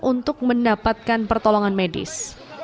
untuk mendapatkan pertolongan medis